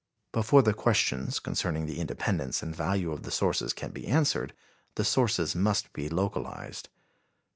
Before the questions concerning the independence and value of the sources can be answered, the sources must be localized.